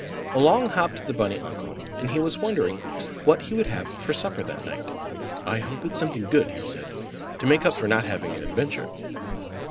Along hopped the bunny uncle, and he was wondering what he would have for supper that night. "I hope it's something good," he said, "to make up for not having an adventure."